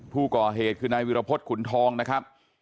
ผู้ก่อเหตุคือนายวิรพฤษขุนทองนะครับ